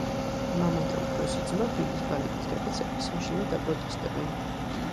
მამა და უფროსი ძმა ბილის ბალეტით გატაცებას საშინლად აპროტესტებენ.